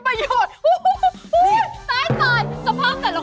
ไม่เห็นเหรอทั้งลุยทั้งเล็ก